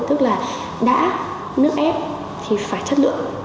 tức là đã nước ép thì phải chất lượng